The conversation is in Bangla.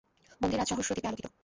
মন্দির আজ সহস্র দীপে আলোকিত।